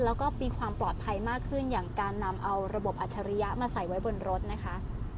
แล้วก็มีความปลอดภัยมากขึ้นอย่างการนำเอาระบบอัจฉริยะมาใส่ไว้บนรถนะคะ